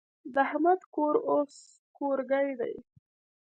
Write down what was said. د احمد کور اوس کورګی دی.